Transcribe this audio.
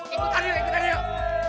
ikutan yuk ikutan yuk